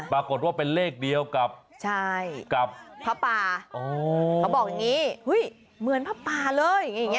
ปรากฏว่าเป็นเลขเดียวกับพระป่าเขาบอกอย่างนี้เฮ้ยเหมือนพระป่าเลย